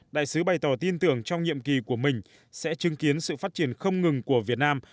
đại sứ bày tỏ tin tưởng trong nhiệm kỳ của mình sẽ chứng kiến sự phát triển không ngừng của việt nam